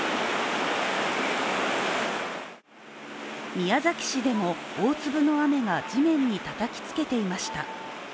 宮崎市でも大粒の雨が地面にたたきつけていました。